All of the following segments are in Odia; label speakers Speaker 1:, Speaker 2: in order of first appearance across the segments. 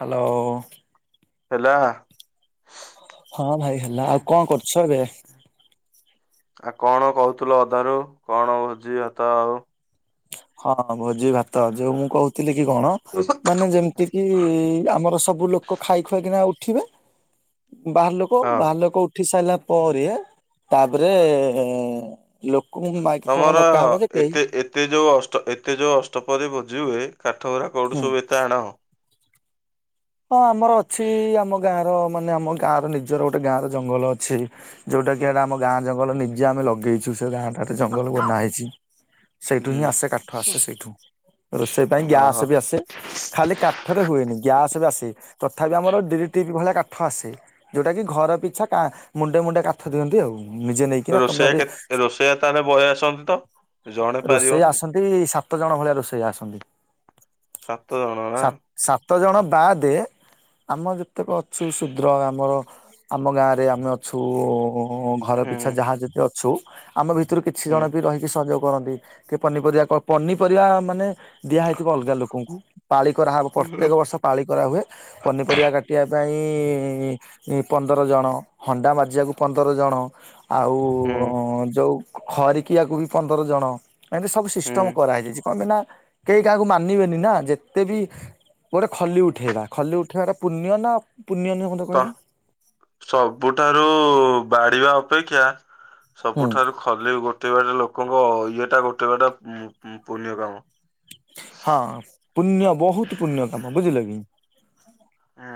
Speaker 1: ହାଲୋ।
Speaker 2: ହେଲା।
Speaker 1: ହଁ ଭାଇ ହେଲା, ଆଉ କଣ କରୁଛ ଏବେ?
Speaker 2: ଆଉ କଣ କହୁଥିଲ ଅଧାରୁ କଣ ଭୋଜି ଭାତ ଆଉ?
Speaker 1: ହଁ ଭୋଜି ଭାତ ଯୋଉ ମୁଁ କହୁଥିଲି କି କଣ
Speaker 2: [unintelligible]
Speaker 1: ମାନେ ଯେମିତି କିି ଆମର ସବୁ ଲୋକ ଖାଇ ଖୁଆ କିନା ଉଠିବେ ବାହାର ଲୋ ଲୋକ ବାହାର ଲୋକ ଉଠି ସାରିଲା ପରେ ତାପରେ ଲୋ
Speaker 2: ତମର ଏତେ ଏତେ ଯୋଉ ଅଷ୍ଟ ଏ ଏତେ ଯୋଉ ଅଷ୍ଟପହରି ଭୋଜିହୁଏ କାଠଉରା କୋଉଠୁ
Speaker 1: ହୁଁ
Speaker 2: ସବୁ ଏତେ ଆଣ?
Speaker 1: ହଁ ଆମର ଅଛି ଆମ ଗାଁ ର ମାନେ ଆମ ଗାଁର ନି ନିଜର ଗୋଟେ ଗାଁ ର ଜଙ୍ଗଲ ଅଛି, ଯୋଉଟା କିଟା ଆମ ଗାଁ ଜଙ୍ଗଲ ନିଜେ ଆମେ ଲଗେଇଛୁ ସେ ଗାଁ କାଠ ଜଙ୍ଗଲରୁ ବନା ହେଇଛି। ସେଇଠୁ
Speaker 2: ହୁଁ
Speaker 1: ହିଁ ଆସେ କାଠ ଆସେ ସେଇଠୁ ରୋଷେଇ ପାଇଁ ଗ୍ୟାସ
Speaker 2: ଓହୋ
Speaker 1: ବି ଆସେ। ଖାଲି କାଠରେ ହୁଏନି ଗ୍ୟାସ ବି ଆସେ ତଥାପି ଆମର ଡିରେଟିପ୍ ଭଳିଆ କାଠ ଆସେ। ଯୋଉଟା କି ଘର ପିଛା କା ମୁଣ୍ଡେ ମୁଣ୍ଡେ କାଠ ଦିଅନ୍ତି ଆଉ। ନିଜେ ନେଇ
Speaker 2: ରୋଷେଇଆ କେତେ ରୋଷେଇଆ ତାହେଲେ ବହେ ଆସନ୍ତି ତ? ଜଣେ
Speaker 1: ରୋଷେଇ
Speaker 2: ପାରିବନି
Speaker 1: ଆସନ୍ତି ସାତ ଜଣ ଭଳିଆ ରୋଷେଇଆ ଆସନ୍ତି।
Speaker 2: ସାତ ଜଣ ନା
Speaker 1: ସା ସାତ ଜଣ ବା ଦେ ଆମ ଯେତେକ ଅଛୁ ଶୁଦ୍ର ଆମର ଆମ ଗାଁରେ ଆମେ ଅଛୁ ଉଁ ଘର ପିଛା
Speaker 2: ହୁଁ
Speaker 1: ଯାହା ଯେତେ ଅଛୁ ଆମ ଭିତରୁ କିଛି
Speaker 2: ହୁଁ
Speaker 1: ଜଣ ବି ରହି କି ସଂଯୋଗ କରନ୍ତି କି ପନିପରିବା କଣ ପନିପରିବା ମାନେ ଦିଆହଇଥିବ ଅଲଗା ଲୋକଙ୍କୁ ପାଳି କରାହବ ପ୍ରତ୍ୟେକ ବର୍ଷ ପାଳି କରାହୁଏ ପନିପରିବା କାଟିବା ପାଇଁ ଏ ପନ୍ଦର ଜଣ ହଣ୍ଡା ମଜିବାକୁ ପନ୍ଦର ଜଣ ଆଉ
Speaker 2: ହୁଁ
Speaker 1: ଯଉଁ ଖରିକିଆକୁ ବି ପନ୍ଦର ଜଣ ଏମିତି ସବୁ
Speaker 2: ହୁଁ
Speaker 1: ସିଷ୍ଟମ କରା ହେଇଯାଇଚି କଣ କି ନା କେହି କାହାକୁ ମାନିବେନି ନା ଯେତେ ବି ଗୋଟେ ଖଲି ଉଠେଇବା ଖଲି ଉଠେଇବାଟା ପୁଣ୍ୟ ନା ପୁଣ୍ୟ ନୁହେ?
Speaker 2: ତ ସବୁଠାରୁ ବାଡିବା ଅପେକ୍ଷା
Speaker 1: ହୁଁ।
Speaker 2: ସବୁଠାରୁ ଖଲି ଗୋଟେଇବାଟା ଲୋକଙ୍କ ଇଏଟା ଗୋଟେ ବାଟା ଉଁ ଉଁ ପୁଣ୍ୟ କାମ।
Speaker 1: ହଁ ପୁଣ୍ୟ ବହୁତ ପୁଣ୍ୟ କାମ ବୁଝିଲ କି?
Speaker 2: ହୁଁ।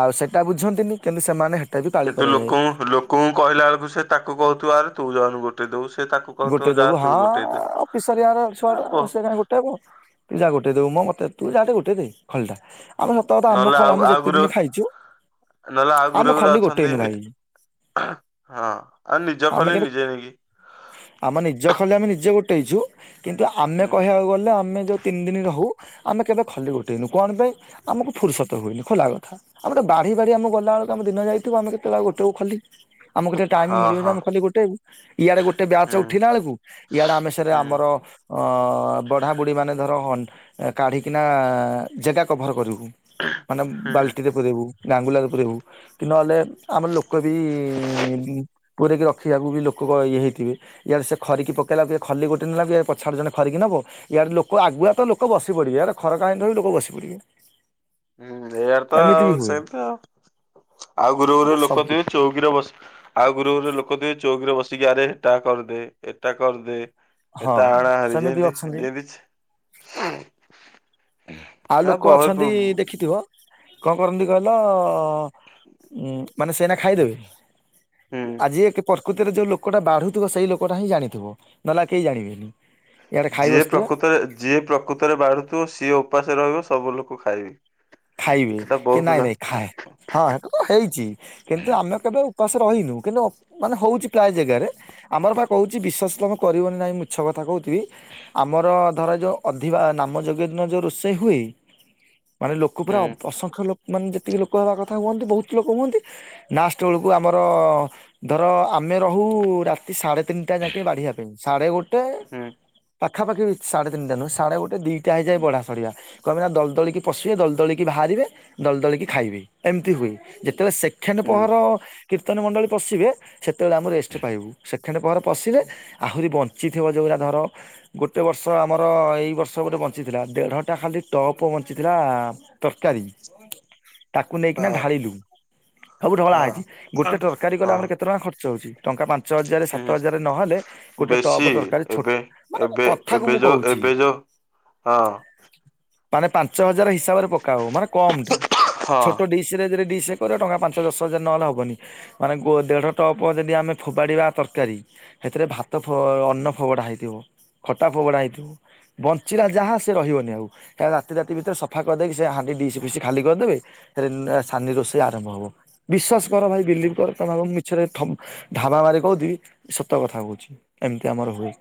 Speaker 1: ଆଉ ସେଟା ବୁଝନ୍ତିନି କିନ୍ତୁ ସେମାନେ ହେ
Speaker 2: କିନ୍ତୁ ଲୋକଙ୍କୁ ଲୋକଙ୍କୁ କହିଲା ବେଳକୁ ସେ ତାକୁ କହୁଥିବ ଆରେ ତୁ ଯାଉନୁ ଗୋଟେ ଦବୁ ସେ ତାକୁ କହୁଥିବ
Speaker 1: ଗୋଟେ
Speaker 2: ଯା
Speaker 1: ଦେବୁ
Speaker 2: ତୁ ଗୋଟେ
Speaker 1: ହଁ
Speaker 2: ଦେ
Speaker 1: ଅପିସରିଆ
Speaker 2: ଆ
Speaker 1: ଛୁଆଟା
Speaker 2: ବୋ
Speaker 1: ସେ କାଇଁ ଗୋ ଟାକୁ ତୁ ଯା ଗୋଟେଇ ଦବୁ ମୁଁ ମତେ ତୁ ଯା ଟିକିଏ ଗୋଟେଇ ଦେ।
Speaker 2: ନହେଲେ
Speaker 1: [unintelligible]
Speaker 2: ଆଉ
Speaker 1: ଆମେ
Speaker 2: ଆଉ ଗୁରେ
Speaker 1: ଯେତେଦିନ ଖାଇଛୁ
Speaker 2: ନହେଲେ ଆଉ
Speaker 1: ଆମେ
Speaker 2: ଘୁରୁ ଘରେ
Speaker 1: ଖଲି ଗୋଟେଇନୁ
Speaker 2: ଅଛନ୍ତି
Speaker 1: ଭାଇ
Speaker 2: ହେଠି ହଁ ଆଉ ନିଜ
Speaker 1: ଆମେ
Speaker 2: ଖଲି
Speaker 1: କିନ୍ତୁ
Speaker 2: ନିଜେ ନେଇକି
Speaker 1: ଆମ ନିଜ ଖଲି ଆମେ ନିଜେ ଗୋଟେଇଚୁ କିନ୍ତୁ ଆମେ
Speaker 2: ହୁଁ
Speaker 1: କହିବାକୁ ଗଲେ ଆମେ ଯଉ ତିନି ଦିନ ରହୁ ଆମେ କେବେ ଖଲି ଗୋଟେଇନୁ କଣ ପାଇଁ ଆମକୁ ଫୁର୍ସତ ହୁଏନି ଖୋଲା କଥା। ଆମେ ତ ବାଢି ବାଢି ଆମ ଗଲାବେଳୁ ଆମ ଦିନ ଯାଇଥିବ ଆମେ କେତେବେଳେ ଆଉ ଗୋଟଇବୁ ଖଲି। ଆମକୁ ଟିକେ ଟାଇମ
Speaker 2: ହଁ
Speaker 1: ମିଳିବ ଯେ
Speaker 2: ହଁ
Speaker 1: ଆମେ ଖଲି ଗୋଟେ ଇବୁ ଇଆଡେ ଗୋ ଚ
Speaker 2: ହୁଁ
Speaker 1: ଉଠିଲା ବେଳକୁ ଇଆଡେ ଆମେ ସେରେ
Speaker 2: ହୁଁ
Speaker 1: ଆମର ଅ ବଢା ବୁଢୀ ମାନେ ଧର ହଁ କାଢ଼ିକିନା ଜେଗା କଭର କରିବୁ। ମାନେ
Speaker 2: ହୁଁ।
Speaker 1: ବାଲ୍ଟିରେ ପୁରେଇବୁ ଗାଙ୍ଗୁଲାରେ ପୁରେଇବୁ କି ନହଲେ ଆମ ଲୋକବି ବି ଜି ପୁରେଇକି ରଖିବାକୁ ବି ଲୋକଗ ଇଏ ହେଇଥିବେ। ଇଆଡ଼େ ସେ ଖରିକି ପକେଇଲାକୁ ଇଏ ଖଲି ଗୋଟେ ନେଲା କି ପଛ ଆଡ଼େ ଜଣେ ଖରିକି ନେବ। ୟାଡେ ଲୋକ ଆଗୁଆ ତ ଲୋକ ବସି ପଡିବେ ୟାଡୁ ଖରକା ହେଇନଥିବ ବି ଲୋକ ବସି ପଡିବେ।
Speaker 2: ହୁଁ ଏୟାତ
Speaker 1: ଏମିତି ବି ହୁଏ
Speaker 2: ସେତ ଆଉ ଘୁରୁ ଘୁରୁ
Speaker 1: ଏରା
Speaker 2: ଲୋକ ଥିବେ
Speaker 1: ସବୁଠି
Speaker 2: ଚଉକିରେ ବସ ଆଉ ଘୁରୁ ଘରୁ ଲୋକ ଥିବେ ଚଉକିରେ ବସିକି ଆରେ ହେଟା କରିଦେ ଏଟା କରିଦେ।
Speaker 1: ହଁ
Speaker 2: ଏଟା ଆଣେ ହାରି
Speaker 1: ସେମିତି
Speaker 2: ଯେନଟି
Speaker 1: ଅଛନ୍ତି
Speaker 2: ଯେନଟି ଛି [unintelligible]
Speaker 1: ଆଉ ଲୋକ ଅଛନ୍ତି ଦେଖିଥିବ? କଣ କରନ୍ତି କହିଲ ଉ ମାନେ ସେଇନା ଖାଇଦେବେ?
Speaker 2: ହୁଁ।
Speaker 1: ଆଜି ଏକ୍ ପ ପ୍ରକୃତରେ ଯଉ ଲୋକଟା ବାଢୁଥିବ ସେଇ ଲୋକଟା ହିଁ ଜାଣିଥିବ ନହେଲେ ଆଉ କେହି ଜାଣିବେନି। ଇଆଡେ ଖାଇ
Speaker 2: ଯିଏ
Speaker 1: ବସିଥିବେ
Speaker 2: ପ୍ରକୃତରେ ଯିଏ ପ୍ରକୃତରେ ବାଢୁଥିବ ସିଏ ଉପାସ ରହିବ ସବୁ ଲୋକ ଖାଇବେ।
Speaker 1: ଖାଇବି
Speaker 2: ଏଟା
Speaker 1: କି
Speaker 2: ବହୁତ
Speaker 1: ନାଇଁ
Speaker 2: ଜା
Speaker 1: ନାଇଁ ଖା ହଁ ୟାକୁ ହେଇଛି କିନ୍ତୁ ଆମେ କେବେ ଉପାସ ରହିନୁ କିନ୍ତୁ ଅ ମାନେ ହଉଛି ପ୍ରାୟ ଜାଗାରେ ଆମର ବା କହୁଛି ବିଶ୍ୱାସ ତମେ କରିବନି ନାଇଁ ମିଛ କଥା କହୁଥିବି। ଆମର ଧର ଯୋଉ ଅଧିବା ନାମ ଯୋଗ୍ୟ ଦିନ ଯୋଉ ରୋଷେଇ ହୁଏ। ମାନେ ଲୋ କୋ ପୁରା
Speaker 2: ହୁଁ
Speaker 1: ଅସଂଖ୍ୟ ଲୋପ୍ ମାନେ ଯେତିକି ଲୋକ ହେବା କଥା ହୁଅନ୍ତି ବହୁତ ଲୋକ ହୁଅନ୍ତି ନାଷ୍ଟ ବେଳକୁ ଆମର ଧର ଆମେ ରହୁ ରାତି ସାଢ଼େ ତିନିଟା ଯାକି ବାଢିବା ପାଇଁ ସାଢେ ଗୋଟେ
Speaker 2: ହୁଁ
Speaker 1: ପାଖାପାଖି ସାଢେ ତିନିଟା ନୁହେଁ ସାଢେ ଗୋଟେ ଦି ତ୍ୟା ଯାଏ ବଢା ସରିବା କପି ନା ଦଦଳି ପଶିବେ ଦ ଦୋଳିକି ବାହାରିବେ ଦଲ ଦୋଳିକି ଖାଇବେ ଏମିତି ହୁଏ। ଯେତେବେଳେ ସେଖେଣ୍ଡ
Speaker 2: ହୁଁ
Speaker 1: ପୋହର କୀର୍ତ୍ତନ ମଣ୍ଡଳୀ ପଶିବେ ସେତେବେଳେ ଆମେ ରେଷ୍ଟ ପାଇବୁ। ସେଠଣେ ପହରେ ପଶିଲେ ଆହୁରି ବଞ୍ଚିିଥିବ ଯୋଉରା ଧର ଗୋଟେ ବର୍ଷ ଆମର ଏଇ ବର୍ଷ ଗୋଟେ ବଞ୍ଚିଥିଲା ଦେଢଟା ଖାଲି ଟପ୍ ବଞ୍ଚିଥିଲା ତରକାରୀ। ତାକୁ ନେଇକିନା
Speaker 2: ହଁ
Speaker 1: ଢାଳିଲୁ ସବୁ ଢଳା
Speaker 2: ହଁ।
Speaker 1: ହେଇଛି ଗୋଟେ ତରକାରୀ କଲେ
Speaker 2: ହଁ
Speaker 1: ଆମର କେତେ ଟଙ୍କା ଖର୍ଚ୍ଚ ହେଉଚି? ଟଙ୍କା ପାଞ୍ଚ ହଜାର ସାତ
Speaker 2: ହୁଁ
Speaker 1: ହଜାର ନହେଲେ ଗୋଟେ ଟପ୍
Speaker 2: ବେଶୀ
Speaker 1: ତରକାରୀ ଚୁ
Speaker 2: ଏବେ
Speaker 1: ମାନେ ମୋ
Speaker 2: ଏବେ
Speaker 1: କ
Speaker 2: ଏବେ ଯୋଉ ଏବେ ଯୋଉ ହଁ।
Speaker 1: ମାନେ ପାଞ୍ଚ ହଜାର ହିସାବରେ ପକା ହ ମାନେ କମ ଟା
Speaker 2: ହଁ।
Speaker 1: ଛୋଟ ଡିସ ସିରେ ଜିରେ ଡିସ କର ଟଙ୍କା ପାଞ୍ଚ ଦଶ ହଜାର ନହେଲେ ହେବନି। ମାନେ ଗୋ ଦେଢ ଟପ ଯଦି ଆମେ ଫୋପାଡ଼ିବା ତରକାରୀ ହେଁଥିରେ ଭାତ ଫୋ ଅନ୍ନ ଫୋବଡା ହେଇଥିବ ଖଟା ଫୋବଡା ହେଇଥିବ। ବଞ୍ଚିଲା ଯାହା ସେ ରହିବନି ଆଉ ତା ରାତି ରାତି ଭିତରେ ସଫା କରିଦେଇକି ସେ ହାଣ୍ଡି ଦିସ ପିସ୍ ଖାଲି କରିଦେବେ ଏରେନ୍ ସାନି ରୋଷେଇ ଆରମ୍ଭ ହବ ବିଶ୍ୱାସ କର ଭାଇ ବିଲିବ କର। ତମେ କମ ମିଛରେ ଠମ ଢାବା ମାରି କହୁଦିବି ସତ କଥା କହୁଚି। ଏମିତି ଆମର ହୁଏ।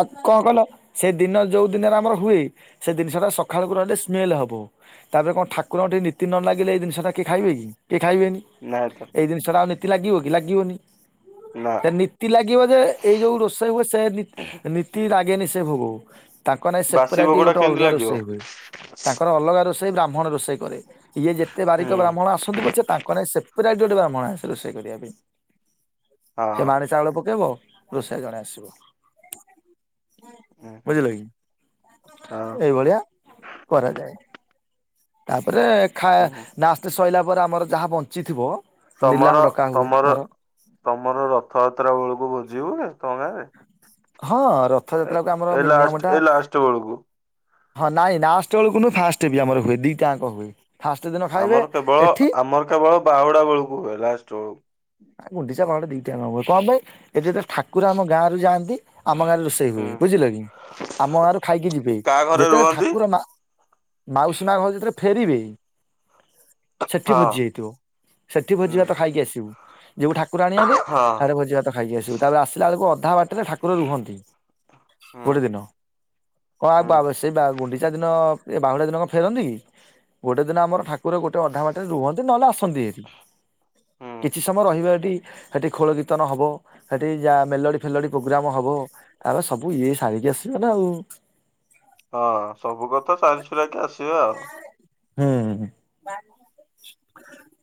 Speaker 1: ଆଉ କଁ କଲ ସେ ଦିନ ଯୋଉ ଦିନରେ ଆମର ହୁଏ ସେ ଜିନିଷ ଟା ସଖାଳକୁ ର ଟେ ସ୍ମେଲ ହବ ତାପରେ କଣ ଠାକୁରଙ୍କ ଟିକେ ନୀତି ନ ଲାଗିଲ ଏଇ ଜିନିଷ ଟା କିଏ ଖାଇବେ କି? କିଏ ଖାଇବେନି।
Speaker 2: ନାହା ତ।
Speaker 1: ଏଇ ଜିନିଟା ଆଉ ନିତି ଲାଗିବ କି ଲାଗିବନି।
Speaker 2: ନା
Speaker 1: ଏ ନୀତି ଲାଗିବ ଯେ ଏଇ ଯୋଉ ରୋଷେଇ ହୁଏ ସେ ନି ନିତ୍ ତି ରାଗେନି ସେ ଭୋଗଉ ତାଙ୍କ ନାଇଁ
Speaker 2: ବାସି
Speaker 1: ସେପେରାଟି
Speaker 2: ଭୋଗଟା
Speaker 1: ଗୋଟେ
Speaker 2: କେମିତି
Speaker 1: ଅଲଗା
Speaker 2: ଲାଗିବ?
Speaker 1: ରୋଷେଇ ହୁଏ। ତାଙ୍କର ଅଲଗା ରୋଷେଇ ବ୍ରାହ୍ମଣ ରୋଷେଇ କରେ ଇଏ ଯେତେ ବାରିକ
Speaker 2: ହୁଁ
Speaker 1: ବ୍ରାହ୍ମଣ ଆସନ୍ତୁ ପଛେ ତାଙ୍କ ନାଇଁ ସେ ପରାଇଟ ଗୋଟେ ବ୍ରାହ୍ମଣ ଆସେ ରୋଷେଇ କରିବା ପାଇଁ ସେ
Speaker 2: ହଁ
Speaker 1: ମାଣେ ଚାଉଳ ପକେଇବ ରୋଷେଇ ଜଣେ ଆସିବ।
Speaker 2: ଉଁ ହୁଁ
Speaker 1: ବୁଝିଲ କି?
Speaker 2: ହଁ
Speaker 1: ଏଇଭଳିଆ କରାଯାଏ। ତାପରେ ଖା
Speaker 2: ଉଁ ହୁଁ
Speaker 1: ଲାଷ୍ଟ୍ ସଇଲା ପରେ ଆମର ଯାହା ବଞ୍ଚିଥିବ ନିଲାମ
Speaker 2: ତମର
Speaker 1: ଡକା ହୁଏ
Speaker 2: ତମର
Speaker 1: ଧର
Speaker 2: ତମର ରଥଯାତ୍ରା ବେଳକୁ ଭୁଜୀ ହୁଏ ତମ ଗାଁରେ?
Speaker 1: ହଁ
Speaker 2: ଏ
Speaker 1: ରଥଯାତ୍ରାକୁ ଆମର
Speaker 2: ଏ ଲାଷ୍ଟ
Speaker 1: ମିନିମମ ଟା
Speaker 2: ଏ ଲାଷ୍ଟ ବେଳକୁ।
Speaker 1: ହଁ ନାଇଁ ନାଁଷ୍ଟ ବେଳକୁ ନୁହ ଫାଷ୍ଟ ଆମର ହୁଏ ଦିଟାଙ୍କ ହୁଏ। ଫାଷ୍ଟ ଦିନ ଖାଇବେ
Speaker 2: ଆମର କେବଳ
Speaker 1: ଏଠି
Speaker 2: ଆମର କେବଳ ବାହୁଡା ବେଳକୁ ହୁଏ ଲାଷ୍ଟ ବେଳୁ।
Speaker 1: ଆ ଗୁଣ୍ଡିଚା ବାହୁଡା଼ ଦିଟାଙ୍କ ହବ କଁ ପାଇଁ ଏ ଯେତେ ଠାକୁର ଆମ ଗାଁରୁ ଯାଆନ୍ତି ଆମ ଗାଁରେ ରୋସ ତେ ହୁଏ
Speaker 2: ବେଳକୁ।
Speaker 1: ବୁଝିଲ କି? ଆମ ଗାଁରୁ ଖାଇକି ଯିବେ
Speaker 2: କାହା ଘରେ
Speaker 1: ଯେତେବେଳେ
Speaker 2: ରୁହନ୍ତି?
Speaker 1: ଠାକୁର ମା ମାଉସୀ ମା ଘରୁ ଯେଥେ ଫେରିବେ ସେଠି
Speaker 2: ହଁ
Speaker 1: ଭୋଜି ହେଇଥିବ। ସେଠି ଭୋଜି
Speaker 2: ହଁ
Speaker 1: ଭାତ ଖାଇକି ଆସିବୁ। ଯିବୁ ଠାକୁର ଆଣିବା ପାଇଁ ହାଡେ ଭୋଜି ଭାତ ଖାଇକି ଆସିବୁ ତାପରେ ଆସିଲା ବେଳକୁ ଅଧା ବା ଟରେ ଠାକୁର ରୁହନ୍ତି।
Speaker 2: ହୁଁ
Speaker 1: ଗୋଡେ ଦିନ କଁ
Speaker 2: ହୁଁ
Speaker 1: ପାବ ସେ ବା ଗୁଡି ଚା ଦିନ ଏ ବାହୁଡ଼ା ଦିନକ ଫେରନ୍ତି କି? ଗୋଟେ ଦିନ ଆମର ଠାକୁର ଗୋଟେ ଅଧା ବାଟରେ ରୁହନ୍ତି ନହେଲେ ଆସନ୍ତି ଏଠି।
Speaker 2: ହୁଁ।
Speaker 1: କିଛି ସମୟ ରହିବା ଏଠି ହେଠି ଖୋଳ କୀର୍ତନ ହବ ହେଠି ଯାହା ମେଲୋଡ଼ି ଫେଲୋଡ଼ି ପ୍ରୋଗ୍ରାମ ହେବ। ଆଉ ସବୁ ଇଏ ଶାରିକି ଆସିବେ ନା ଆଉ।
Speaker 2: ହଁ ସବୁ କଥା ସାରି ସୁରାକି ଆସିବା ଆଉ।
Speaker 1: ହୁଁ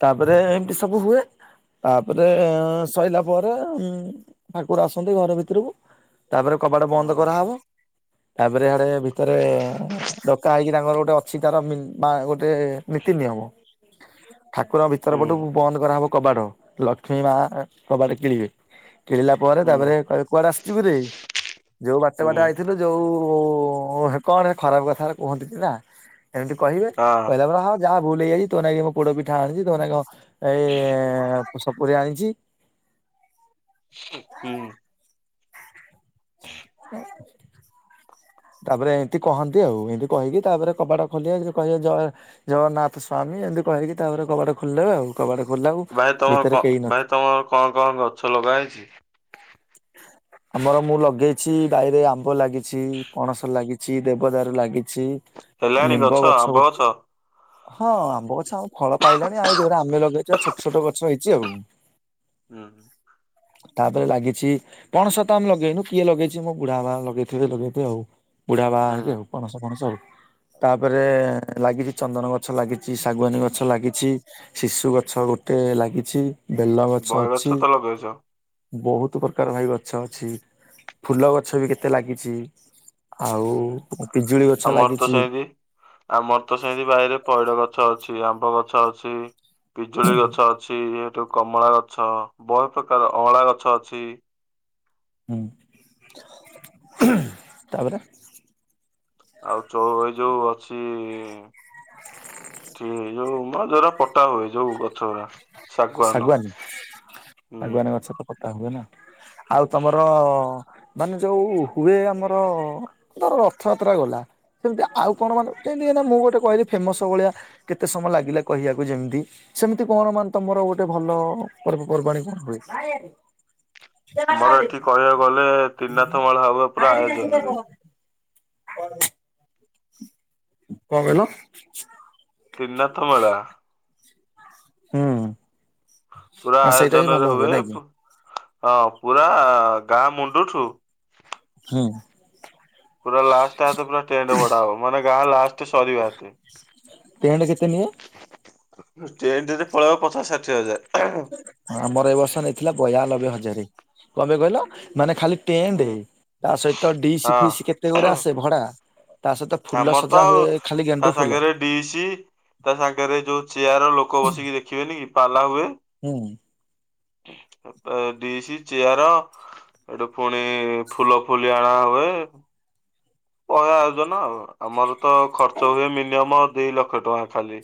Speaker 1: ତାପରେ ଏମିତି ସବୁ ହୁଏ ତାପରେ ସଇଲା ପରେ ଉମ ଠାକୁର ଆସନ୍ତି ଘର ଭିତରକୁ ତାପରେ କବାଟ ବନ୍ଦ
Speaker 2: ହୁଁ
Speaker 1: କରାହବ। ତାପରେ ଇଆଡେ ଭିତରେ ଡକା ହେଇକି ତାଙ୍କର ଗୋଟେ ଅଛି ତାର ବିନ୍ ବା ଗୋଟେ ନୀତି ନିୟମ। ଠାକୁର ଭିତର ପଟୁ
Speaker 2: ହୁଁ
Speaker 1: ବନ୍ଦ କରାହବ କବାଟ ଲକ୍ଷ୍ମୀ ମା କବାଟ କିଳିବେ। କିଳିଲା ପରେ
Speaker 2: ହୁଁ
Speaker 1: ତାପରେ କହିବେ କୁଆଡେ ଆସିଚୁ କିରେ। ଯଉ ବାଟେ ବାଟେ
Speaker 2: ହୁଁ
Speaker 1: ଆଇଥିଲୁ ଯଉ ହେ କଣ ଖରାପ୍ କଥା କୁହନ୍ତିନି ନା। ଏମିତି କହିବେ କହିଲା
Speaker 2: ହଁ
Speaker 1: ପରେ ହ ଯାହା ଭୁଲ୍ ହେଇଯାଇଚି ତୋ ନାଗି ମୁଁ ପୋଡ ପିଠା ଆଣିଚି ତୋ ନାଗି ହଁ ଏଇ ସପୁରୀ ଆଣିଚି।
Speaker 2: ହୁଁ।
Speaker 1: ତାପରେ ଏମିତି କହନ୍ତି ଆଉ ଏମିତି କହିକି ତାପରେ କବାଟ ଖୋଲିବେ କହିବେ ଜୟ ଜଗନ୍ନାଥ ସ୍ବାମୀ ଏମିତି କହିକି ତାପରେ କବାଟ ଖୋଲିଦେବେ ଆଉ କବାଟ ଖୋଲିଲାକୁ ଆଉ ଭିତରେ କେହି ନ
Speaker 2: କଣ୍ କଣ୍ ଗଛ ଲଗା ହେଇଚି?
Speaker 1: ଆମର ମୁଁ ଲଗେଇଚି ବାଇରେ ଆମ୍ବ ଲାଗିଚି ପଣସ ଲାଗିଚି ଦେବଦାରୁ ଲାଗିଚି। ଲିମ୍ବ ଗଛ ଗୋଟେ ହଁ ଆମ୍ବ ଗଛ ଆମ ଫଳ ପାଇଲାଣି ଆଉ ଯଉରା ଆମେ ଲଗେଇଚୁ ହେରା ଛୋଟ ଛୋଟ ଗଛ ହେଇଚି ଆଉ।
Speaker 2: ହୁଁ
Speaker 1: ତାପରେ ଲାଗିଛି ପଣସ ତ ଆମେ ଲଗେଇନୁ କିଏ ଲଗେଇଚି ମୁଁ ବୁଢା ବା ଲଗେଇଥିବେ -ଲଗେଇଥିବେ ଆଉ। ବୁଢା ବାହା ହେକେ
Speaker 2: ହୁଁ
Speaker 1: ଆଉ ପଣସ ପଣସ ଆଉ। ତାପରେ ଲାଗିଚି ଚନ୍ଦନ ଗଛ ଲାଗିଚି ଶାଗୁଆନୀ ଗଛ ଲାଗିଚି। ଶିଶୁ ଗଛ ଗୋଟେ ଲାଗିଚି ବେଲ ଗଛ
Speaker 2: ବହେ
Speaker 1: ଅଛି
Speaker 2: ତ ଲଗେଇଛ।
Speaker 1: ବହୁତ୍ ପ୍ର କାର ଭାଇ ଗଛ ଅଛି ଫୁଲ ଗଛ ବି କେତେ ଲାଗିଚି ଆଉ ପିଜୁଳି ଗଛ
Speaker 2: ଆମର ତ
Speaker 1: ଲାଗିଚି।
Speaker 2: ସେମିତି ଆମର ତ ସେନ୍ତି ବାଇରେ ପଇଡ଼ ଗଛ ଅଛି ଆମ୍ବ ଗଛ ଅଛି। ପିଜୁଳି ଗଛ ଅଛି ହେଠୁ କମଳା ଗଛ ବହୁତ୍ ପ୍ରକାର ଅଁଳା ଗଛ ଅଛି।
Speaker 1: ହୁଁ ତାପରେ?
Speaker 2: ଆଉ ଚୋ-ଏଇ ଯଉ ଅଛି ଠିକ୍ ଯଉ ମ ଯଉରା ପଟା ହୁଏ ଯଉ ଗଛ ଗୁଡା।
Speaker 1: ଶାଗୁଆନ୍- ଶାଗୁଆନ୍ ଗଛ ତ ପଟା ହୁଏ ନା। ଆଉ ତମର ମାନେ ଯଉ ହୁଏ ଆମର ଧର ରଥଯାତ୍ରା ଗଲା ସେମିତି ଆଉ କଣ ମାନେ ଯେମିତି ନା ମୁଁ ଗୋଟେ କହିଲି ଫେମସ ଭଳିଆ କେତେ ସମୟ ଲାଗିଲା କହିବାକୁ ଯେମିତି ସେମିତି କଣ ମାନେ ତମର ଗୋଟେ ଭଲ ପର୍ବପର୍ବାଣୀ କଣ ହୁଏ?
Speaker 2: ଆମର ଏଠି କହିବାକୁ ଗଲେ ତ୍ରିନାଥ ମେଳା ହୁଏ ପୁରା
Speaker 1: କଣ
Speaker 2: ଆୟୋଜନରେ।
Speaker 1: [inaudible] କଣ୍ କହିଲ?
Speaker 2: ତ୍ରିନାଥମେଳା।
Speaker 1: ହୁଁ।
Speaker 2: ପୁରା
Speaker 1: ସେଇଟା ହିଁ ଭଲ
Speaker 2: ଆୟୋଜନରେ ହୁଏ
Speaker 1: ନାଇଁ କି
Speaker 2: ହଁ ପୁରା ଗାଁ ମୁଣ୍ଡଠୁ
Speaker 1: ହୁଁ।
Speaker 2: ପୁରା ଲାଷ୍ଟ୍ ହାତ ପୁରା ଟେଣ୍ଟ୍ ମଡା ହବ ମାନେ ଗାଁ ଲାଷ୍ଟ ସରିବା ଏତେ
Speaker 1: ଟେଣ୍ଟ୍ କେତେ ନିଏ?
Speaker 2: ଟେଣ୍ଟ୍ ରେ ପଳେଇବ ପଚାଶ ଷାଠିଏ ହଜାରେ।
Speaker 1: ଆମର ଏ ବର୍ଷ ନେଇଥିଲା ବୟାନବେ ହଜାରେ କଣ ପାଇଁ କହିଲ ମାନେ ଖାଲି
Speaker 2: ହୁଁ
Speaker 1: ଟେଣ୍ଟ୍ ତା ସହିତ ଡିସ୍
Speaker 2: ହଁ
Speaker 1: ଫିସ୍ କେତେ ଗୁରେ ଆସେ ଭଡା। ତା ସହିତ ଫୁଲ
Speaker 2: ଆମର ତ
Speaker 1: ସଜା
Speaker 2: ଆଉ
Speaker 1: ହୁଏ ଖାଲି
Speaker 2: ତା
Speaker 1: ଗେଣ୍ଡୁ ଫୁଲ।
Speaker 2: ସାଙ୍ଗରେ ଡିସି ତା ସାଙ୍ଗରେ ଯଉ ଚେୟାର ଲୋ ଲୋକ ବସିକି ଦେଖିବେନି କି ପାଲା ହୁଏ।
Speaker 1: ହୁଁ।
Speaker 2: ଏ ଡିସି ଚେୟାର ଏଠୁ ପୁଣି ଫୁଲ ଫୁଲି ଅଣା ହୁଏ। ପହିବା ଆୟୋଜନ ଆଉ ଆମର ତ ଖର୍ଚ୍ଚ ହୁଏ ମିନିମମ ଦି ଲକ୍ଷ ଟଙ୍କା ଖାଲି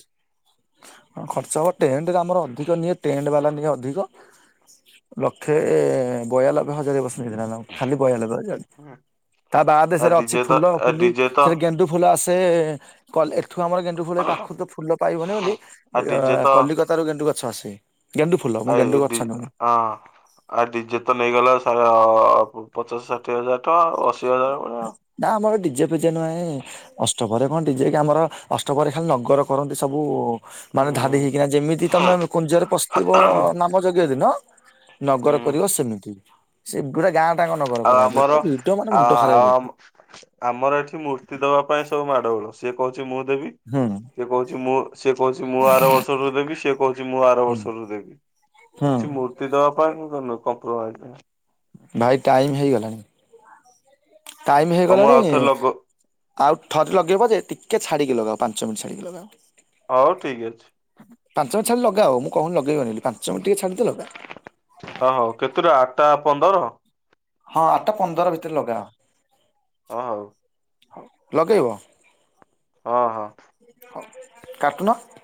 Speaker 1: ହଁ ଖର୍ଚ୍ଚ ହବ ଟେଣ୍ଟରେ ଆମର ଅଧିକ ନିଏ ଟେଣ୍ଟ ବାଲା ନିଏ ଅଧିକ ଲକ୍ଷେ ବୟାନବେ ହଜାର ଏ ବର୍ଷ ହେଇଥିଲା ନା ଖାଲି ବୟାନବେ ହଜାର ତା ବାଦ
Speaker 2: ଆ
Speaker 1: ସେରା ଅଛି
Speaker 2: ଡିଜେ ତ
Speaker 1: ଫୁଲ
Speaker 2: ଆ
Speaker 1: ଫୁଲି
Speaker 2: ଡିଜେ ତ
Speaker 1: ସେ ଗେଣ୍ଡୁ ଫୁଲ ଆସେ ଏଠୁ ଆମର ଗେଣ୍ଡୁ ଫୁଲ ଏ ପାଖରୁ ତ ଫୁଲ ପାଇବନି ବୋଲି
Speaker 2: ଆ ଡିଜେ ତ
Speaker 1: କଲିକତା ତାର ଗେଣ୍ଡୁ ଗଛ ଆସେ ଗେଣ୍ଡୁ ଫଲ ମୁଁ ଗେଣ୍ଡୁ ଗଛ
Speaker 2: ଡି
Speaker 1: ନୁହେଁ
Speaker 2: ହଁ। ଆ ଡିଜେ ତ ନେଇଗଲା ସାର ପଚାଶଷା ଠିଏ ହଜାର ଟଙ୍କା ଅଶି ହଜାର ବଢିଆ
Speaker 1: ନା ଆମର ଡିଜେ ଫିଜେ ନୁହେଁ ଅଷ୍ଟପହରୀରେ କଣ ଡିଜେ କି ଆମର ଅଷ୍ଟପହରୀରେ ଖାଲି ନଗର କରନ୍ତି ସବୁ
Speaker 2: ହୁଁ
Speaker 1: ମାନେ ଧାଡ଼ି ହେଇକିନା ଯେମିତି
Speaker 2: ହୁଁ।
Speaker 1: ତମେ
Speaker 2: ଆଉ
Speaker 1: କୁଞ୍ଜରେ ପଶିଥିବ ନାମ ଯଜ୍ଞ ଦିନ ନଗର କରିବ ସେମିତି ସେ ଗୁରା ପୁରା ଗାଁ ଟାଙ୍କ ନଗର କରାଯିବ
Speaker 2: ଆମର
Speaker 1: ପୁରା ମାନେ
Speaker 2: ଆ
Speaker 1: ମୁଣ୍ଡ ଖରାପ
Speaker 2: ଆଉ
Speaker 1: ଭିଡ ହୁଁ
Speaker 2: ଆମର ଏଠି ମୂର୍ତ୍ତି ଦବା ପାଇଁ ସବୁ ମାଡ଼ଗୋଳ ସିଏ କହୁଛି ମୁଁ ଦେବି
Speaker 1: ହୁଁ
Speaker 2: ସେ କହୁଛି ମୁଁ ସେ କହୁଛି ମୁଁ ଆର ବର୍ଷରୁ ଦେବି ସେ କହୁଛି ମୁଁ ଆର ବର୍ଷରୁ ଦେବି।
Speaker 1: ହୁଁ।
Speaker 2: କିଛି ମୂର୍ତ୍ତି ଦେବା ପାଇଁ ନୋ କମ୍ପ୍ରୋମାଇଜ
Speaker 1: ଭାଇ ଟାଇମ୍ ହେଇଗଲା। ଟାଇମ
Speaker 2: ଆଉ ମୁଁ
Speaker 1: ହେଇଗଲାଣି
Speaker 2: ଆଉଥରେ ଲଗ
Speaker 1: ଆଉ ଥରେ ଲଗେଇବ ଯେ ଟିକେ ଛାଡିକି ଲଗାଅ ପାଞ୍ଚ ମିନିଟ୍ ଛାଡିକି ଲଗାଅ।
Speaker 2: ହଉ ଠିକ ଅଛି।
Speaker 1: ପାଞ୍ଚ ମିନିଟ ଛାଡି ଲଗାଅ ମୁଁ କହୁନି ଲଗେଇବନି ବୋଲି ପାଞ୍ଚ ମିନିଟ ଟିକେ ଛାଡି ଦିଅ ଲଗାଅ।
Speaker 2: ହଉ ହଉ କେତେଟା ଆଠଟା ପନ୍ଦର।
Speaker 1: ହଁ ଆଠଟା ପନ୍ଦର ଭିତରେ ଲଗାଅ।
Speaker 2: ହଁ ହଉ।
Speaker 1: ଲଗେଇବ।
Speaker 2: ହଁ ହଁ।
Speaker 1: କାଟୁନ।